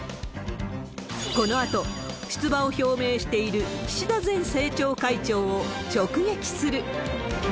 このあと、出馬を表明している岸田前政調会長を直撃する。